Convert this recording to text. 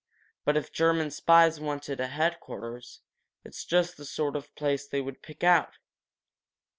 But if German spies wanted a headquarters, it's just the sort of place they would pick out."